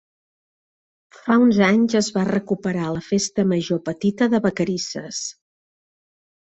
Fa uns anys es va recuperar la Festa Major petita de Vacarisses.